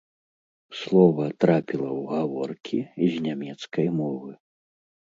Слова трапіла ў гаворкі з нямецкай мовы.